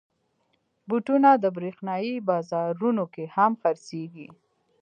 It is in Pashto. بوټونه د برېښنايي بازارونو کې هم خرڅېږي.